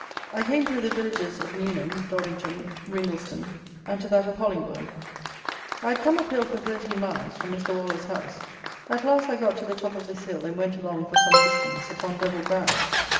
I came through the villages of Newnham, Doddington, Ringlestone, and to that of Hollingbourne. I had come up hill for thirteen miles, from Mr. Waller's house. At last, I got to the top of this hill, and went along, for some distance, upon level ground.